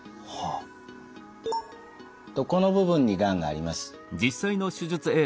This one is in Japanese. この部分にがんがあります。